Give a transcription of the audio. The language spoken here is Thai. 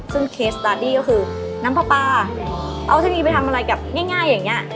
ซึ่งเคสตาดี้ก็คือน้ำปลาเอาเทคโนโลยีไปทำอะไรแบบง่ายอย่างเงี้ย